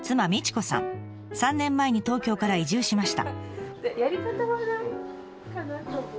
３年前に東京から移住しました。